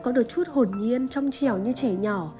có được chút hồn nhiên trong trèo như trẻ nhỏ